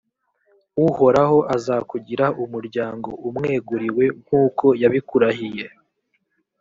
uhoraho azakugira umuryango umweguriwe, nk’uko yabikurahiye,